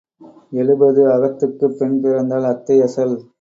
எழுபது அகத்துக்குப் பெண் பிறந்தால் அத்தை அசல்.